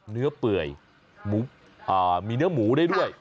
เนื้อเปื่อยมีเนื้อหมูได้ด้วย